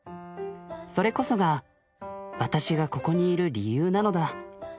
それこそが私がここにいる理由なのだ。